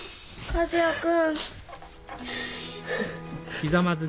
和也君！